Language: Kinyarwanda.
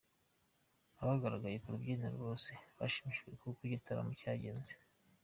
Abagaragaye ku rubyiniro bose bashimishijwe n'uko igitaramo cyagenze.